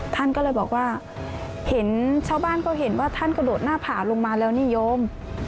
ท่านก็เลยบอกว่าเช้าบ้านก็เห็นว่าท่านก็โดดหน้าผาลงมาแล้วนี่โยม